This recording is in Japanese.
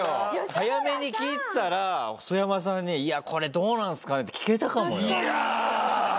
早めに聞いてたらホソヤマさんに「いやこれどうなんですかね？」って聞けたかもよ。